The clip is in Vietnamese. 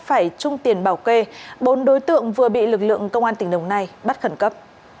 phải chung tiền bảo kê bốn đối tượng vừa bị lực lượng công an tỉnh đồng nai bắt khẩn cấp